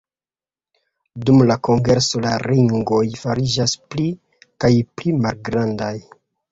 Dum la konkurso la ringoj fariĝas pli kaj pli malgrandaj.